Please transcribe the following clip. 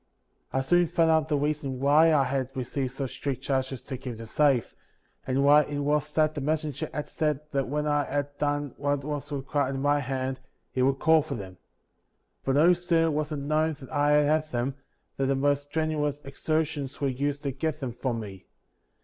60. I soon found out the reason why I had received such strict charges to keep them safe, and why it was that the messenger had said that when I had done what was required at my hand, he would call for them. For no sooner was it known that I had them, than the most strenuous exertions were used to get them from me.